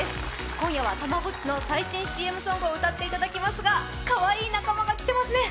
今夜はたまごっちの最新ＣＭソングを歌っていただきますが、かわいい仲間がいますね。